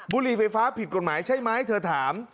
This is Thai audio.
บุรีไฟฟ้าผิดกฎหมายใช่ไหมเธอถาม